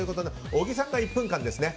小木さんが１分間ですね。